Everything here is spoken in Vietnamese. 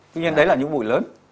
tuy nhiên đấy là những bụi lớn